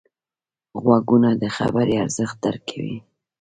غوږونه د خبرې ارزښت درک کوي